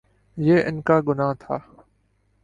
یہ ان کا گناہ تھا۔